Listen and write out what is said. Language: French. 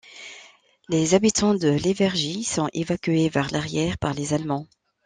Les habitants de Levergies sont évacués vers l'arrière par les Allemands.